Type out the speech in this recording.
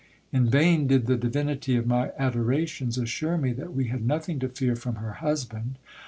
In vain did the divinity of my adorations assure me that we had nothing to fear from her hus band.